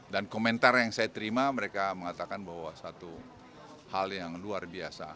dan komentar yang saya terima mereka mengatakan bahwa satu hal yang luar biasa